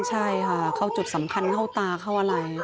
ใช่ค่ะเข้าจุดสำคัญเข้าตาเข้าอะไร